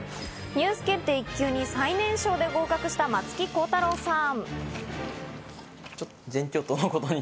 ニュース検定１級に最年少で合格した松木孝太朗さん。